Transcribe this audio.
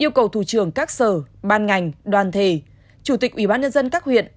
yêu cầu thủ trưởng các sở ban ngành đoàn thể chủ tịch ubnd các huyện